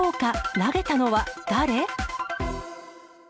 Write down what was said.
投げたのは誰？